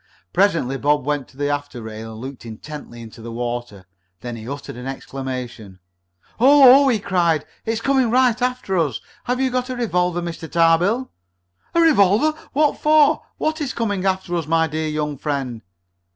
Presently Bob went to the after rail and looked intently into the water. Then he uttered an exclamation. "Oh! Oh!" he cried. "It's coming right after us! Have you a revolver, Mr. Tarbill?" "A revolver? What for? What is coming after us, my dear young friend?"